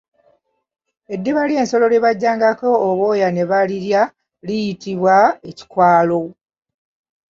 Eddiba ly’ensolo lye bajjangako obwoya ne balirya liyitibwa Ekikwalo.